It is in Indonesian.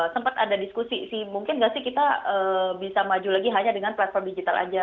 sempat ada diskusi sih mungkin nggak sih kita bisa maju lagi hanya dengan platform digital aja